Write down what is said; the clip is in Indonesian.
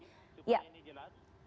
supaya ini jelas